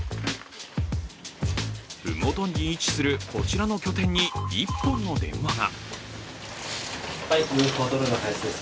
麓に位置するこちらの拠点に一本の電話が。